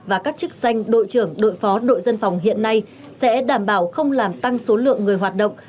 và các chức danh đội trưởng đội phó đội dân phòng hiện nay sẽ đảm bảo không làm tăng số lượng người hoạt động